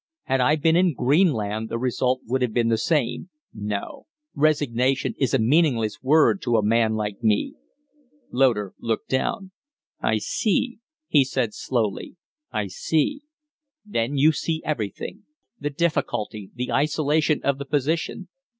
Had I been in Greenland the result would have been the same. No. Resignation is a meaningless word to a man like me." Loder looked down. "I see," he said, slowly, "I see." "Then you see everything the difficulty, the isolation of the position.